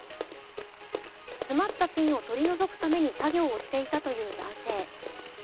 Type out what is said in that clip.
詰まったピンを取り除くために作業をしていたという男性。